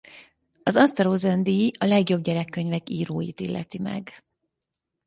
Az Asta Rosin-díj a legjobb gyerekkönyvek íróit illeti meg.